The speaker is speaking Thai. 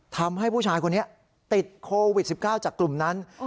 ทำให้ผู้ชายคนนี้ติดโควิด๑๙จากกลุ่มนั้น